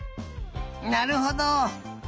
なるほど。